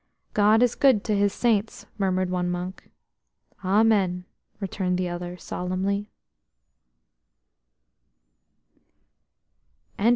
"God is good to His Saints," murmured one monk. "Amen," returned the others solemnly.